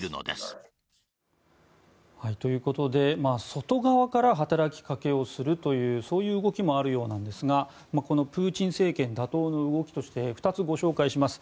外側から働きかけをするというそういう動きもあるようなんですがプーチン政権打倒の動きとして２つご紹介します。